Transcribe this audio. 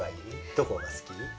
どこが好き？